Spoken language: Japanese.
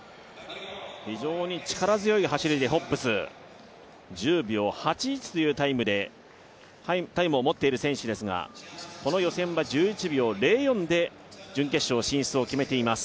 非常に力強い走りでホッブス１０秒８１というタイムを持っている選手ですがこの予選は１１秒０４で準決勝進出を決めています。